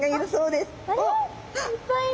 いっぱいいる。